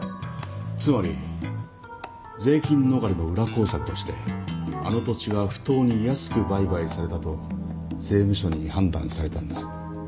つまり税金逃れの裏工作としてあの土地が不当に安く売買されたと税務署に判断されたんだ。